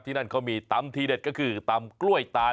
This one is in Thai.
นั่นเขามีตำทีเด็ดก็คือตำกล้วยตาล